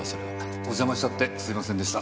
お邪魔しちゃってすいませんでした。